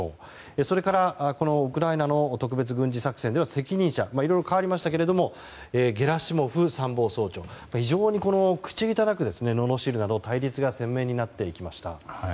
それからウクライナの特別軍事作戦では責任者、いろいろ代わりましたがゲラシモフ参謀総長を非常に口汚くののしるなど対立が鮮明になっていきました。